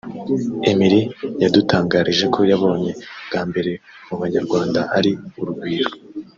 Emily yadutangarije ko yabonye bwa mbere mu banyarwanda ari urugwiro